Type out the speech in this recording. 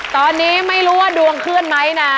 ตอนนี้ไม่รู้ว่าดวงเคลื่อนไหมนะ